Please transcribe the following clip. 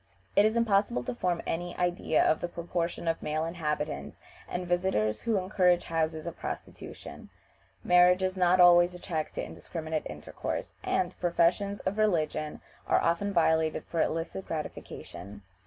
It is impossible to form any idea of the proportion of male inhabitants and visitors who encourage houses of prostitution. Marriage is not always a check to indiscriminate intercourse, and professions of religion are often violated for illicit gratification.